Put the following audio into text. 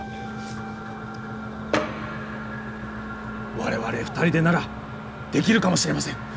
我々２人でならできるかもしれません。